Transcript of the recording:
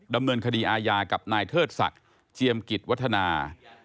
ดำเนินคดีอาญากับนายเทิดศักดิ์เจียมกิจวัฒนา